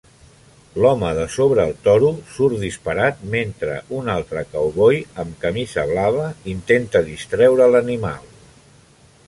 L'home de sobre el toro surt disparat mentre un altre cowboy amb camisa blava intenta distreure l'animal